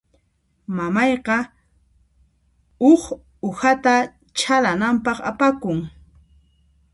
Mamayqa huk uhata chhalananpaq apakun.